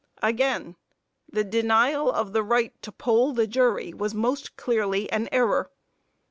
Again. The denial of the right to poll the jury was most clearly an error.